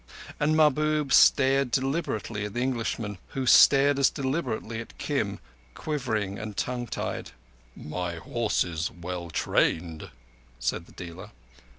And Mahbub stared deliberately at the Englishman, who stared as deliberately at Kim, quivering and tongue tied. "My horse is well trained," said the dealer.